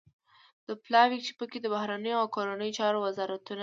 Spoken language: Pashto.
دا پلاوی چې پکې د بهرنیو او کورنیو چارو وزارتون